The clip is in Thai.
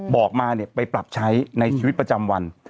บอกมาไปปรับใช้ในชีวิตประจำวัน